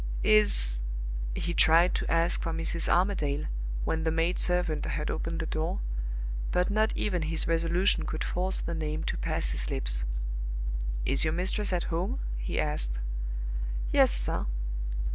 "Is?" he tried to ask for "Mrs. Armadale," when the maid servant had opened the door, but not even his resolution could force the name to pass his lips "is your mistress at home?" he asked. "Yes, sir."